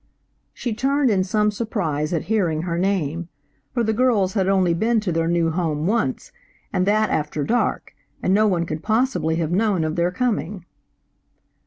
She turned in some surprise at hearing her name, for the girls had only been to their new home once, and that after dark, and no one could possibly have known of their coming.